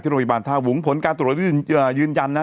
ที่โรงพยาบาลท่าหุงผลการตรวจยืนยยยยยยนยันนะ